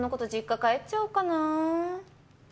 家帰っちゃおうかな。